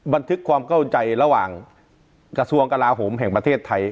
บันทึกความเข้าใจระหว่างกระทรวงกลาโหมแห่งประเทศไทย